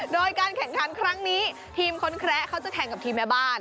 โดยการแข่งขันครั้งนี้ทีมคนแคระเขาจะแข่งกับทีมแม่บ้าน